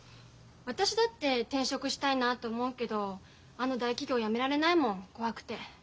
私だって転職したいなって思うけどあの大企業辞められないもん怖くて。